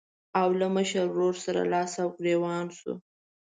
او له مشر ورور سره لاس او ګرېوان شو.